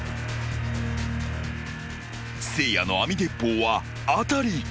［せいやの網鉄砲は当たり］